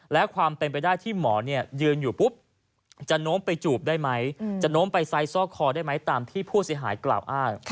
และความเป็นไปได้ที่หมอยืนอยู่ปุ๊บจะโน้มไปจูบได้ไหมจะโน้มไปไซสอกคอได้ไหมตามที่ผู้เสียหายกล่าวอ้าง